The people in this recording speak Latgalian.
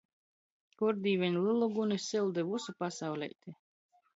Kur, Dīveņ, lelu guni, syldi vysu pasauleiti.